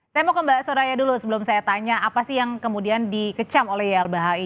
saya mau ke mbak soraya dulu sebelum saya tanya apa sih yang kemudian dikecam oleh ylbhi